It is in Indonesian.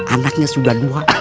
anaknya sudah dua